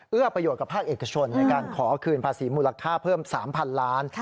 ประโยชนกับภาคเอกชนในการขอคืนภาษีมูลค่าเพิ่ม๓๐๐๐ล้าน